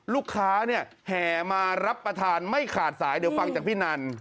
ลูกค้าเนี่ยแห่มารับประทานไม่ขาดสายเดี๋ยวฟังจากพี่นัน